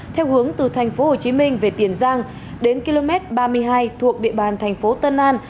theo hướng từ tp hcm về tiền giang đến km ba mươi hai thuộc địa bàn tp tân an